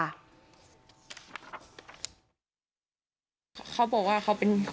พูดใหญ่บ้านเคยขู่ถึงขั้นจะฆ่าให้ตายด้วยค่ะ